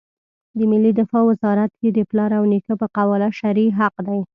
د ملي دفاع وزارت یې د پلار او نیکه په قواله شرعي حق دی.